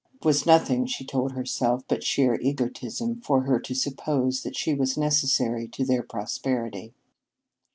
It was nothing, she told herself, but sheer egotism for her to suppose that she was necessary to their prosperity.